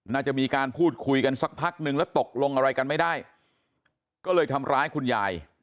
น่าจะมีการพูดคุยกันสักพักนึงแล้วตกลงอะไรกันไม่ได้ก็เลยทำร้ายคุณยาย